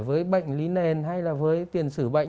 với bệnh lý nền hay là với tiền sử bệnh